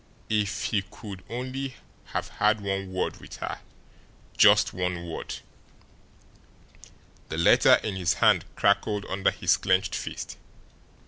If he could only have had one word with her just one word! The letter in his hand crackled under his clenched fist.